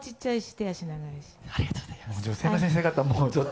ありがとうございます。